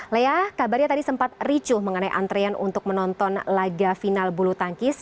lea kabarnya tadi sempat ricuh mengenai antrean untuk menonton laga final bulu tangkis